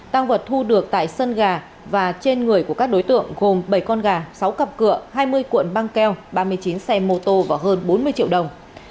tăng vật thu được tại sân gà và trên người của các đối tượng gồm bảy con gà sáu cặp cửa hai mươi cuộn băng keo ba mươi chín xe mô tô và hơn bốn mươi triệu đồng